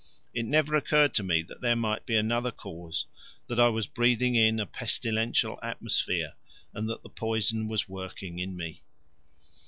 It never occurred to me that there might be another cause, that I was breathing in a pestilential atmosphere and that the poison was working in me.